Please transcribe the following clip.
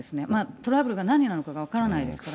トラブルが何なのかが分からないですけど。